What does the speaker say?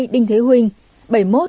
bảy mươi đinh thế huynh